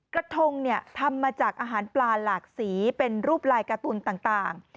กระทงทำมาจากอาหารปลาหลากสีเป็นรูปลายการ์ตูนต่าง